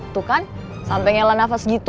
tuh kan sampai ngela nafas gitu